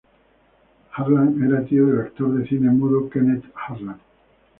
Harlan era tío del actor de cine mudo Kenneth Harlan.